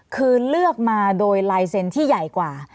คือเลือกมาโดยลายเซ็นต์ที่ใหญ่กว่า